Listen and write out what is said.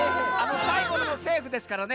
さいごのもセーフですからね。